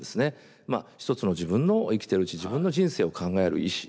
一つの自分の生きてるうち自分の人生を考える意志。